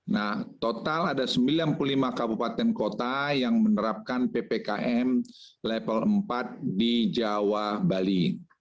nah total ada sembilan puluh lima kabupaten kota yang menerapkan ppkm level empat di jawa bali